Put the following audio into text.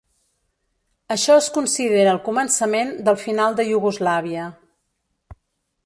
Això es considera el començament del final de Iugoslàvia.